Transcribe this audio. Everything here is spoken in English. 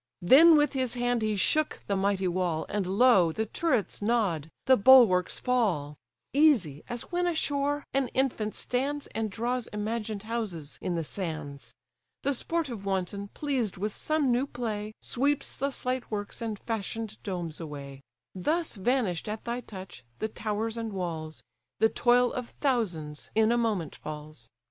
Then with his hand he shook the mighty wall; And lo! the turrets nod, the bulwarks fall: Easy as when ashore an infant stands, And draws imagined houses in the sands; The sportive wanton, pleased with some new play, Sweeps the slight works and fashion'd domes away: Thus vanish'd at thy touch, the towers and walls; The toil of thousands in a moment falls.